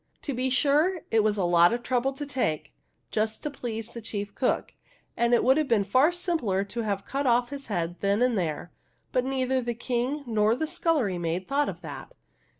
To be sure, it was a lot of trouble to take, just to please the chief cook, and it would have been far simpler to have cut off his head then and there ; but neither the King nor the scullery maid thought of that.